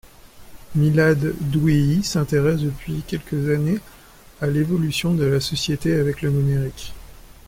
Milad Doueihi s'intéresse, depuis quelques années, à l'évolution de la société avec le numérique.